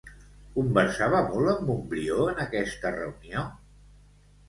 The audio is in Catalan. Conversava molt en Montbrió en aquesta reunió?